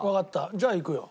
じゃあいくよ。